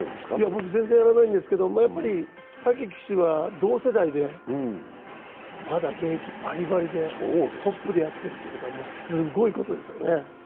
僕は全然やらないんですけど、武騎手は同世代でまだ現役バリバリでトップでやっているということはもうすごいことですよね。